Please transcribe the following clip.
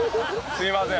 すいません。